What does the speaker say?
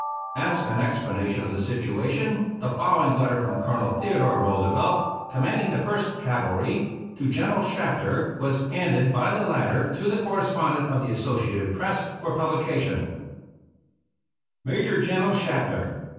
As an explanation of the situation the following letter from Colonel Theodore Roosevelt, commanding the First Cavalry, to General Shafter, was handed by the latter to the correspondent of The Associated Press for publication : Major General Shafter.